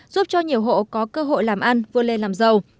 giúp cho nhiều hộ có cơ hội làm ăn vươn lên làm giàu